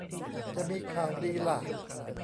จะมีข่าวดีล่ะ